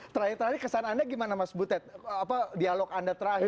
terakhir terakhir kesan anda gimana mas butet dialog anda terakhir